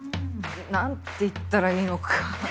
何て言ったらいいのか。